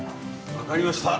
わかりました。